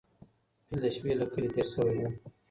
فیل د شپې له کلي تېر سوی و.